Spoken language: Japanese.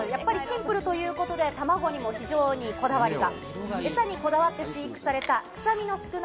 シンプルということで、たまごにも非常にこだわりが。